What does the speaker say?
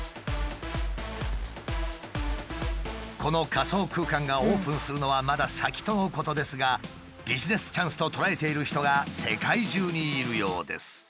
この仮想空間がオープンするのはまだ先とのことですがビジネスチャンスと捉えている人が世界中にいるようです。